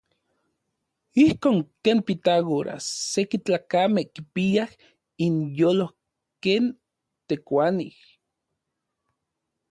Ijkon ken Pitágoras seki tlakamej kipiaj inyolo ken tekuanij.